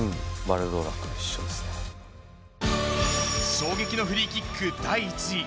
衝撃のフリーキック第１位。